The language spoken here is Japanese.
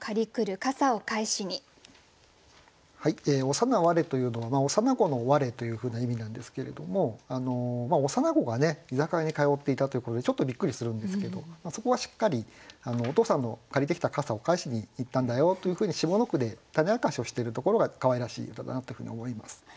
「幼われ」というのは「幼子のわれ」というふうな意味なんですけれども幼子が居酒屋に通っていたということでちょっとびっくりするんですけどそこはしっかりお父さんの借りてきた傘を返しに行ったんだよというふうに下の句で種明かしをしているところがかわいらしい歌だなというふうに思います。